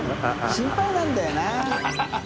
心配なんだよな。